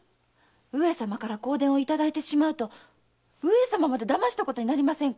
上様から香典をいただいてしまうと上様までだましたことになりませんか？